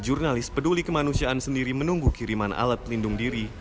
jurnalis peduli kemanusiaan sendiri menunggu kiriman alat pelindung diri